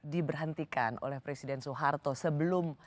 diberhentikan oleh presiden soeharto sebelum